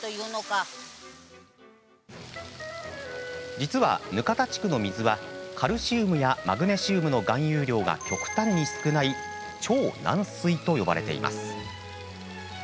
実は額田地区の水はカルシウムやマグネシウムの含有量が極端に少ない超軟水と呼ばれています。